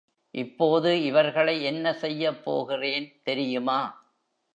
இப்போது இவர்களை என்ன செய்யப்போகிறேன் தெரியுமா?